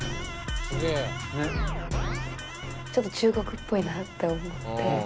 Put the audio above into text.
ちょっと中国っぽいなと思って。